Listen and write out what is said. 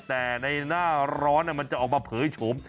แต่ในหน้าร้อนมันจะออกมาเผยโฉม